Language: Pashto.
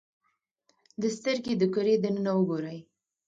د سترګې د کرې دننه وګورئ.